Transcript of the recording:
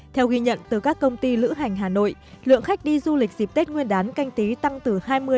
theo ghi nhận từ các công ty lữ hành hà nội lượng khách đi du lịch dịp tết nguyên đán canh tí tăng từ hai mươi ba mươi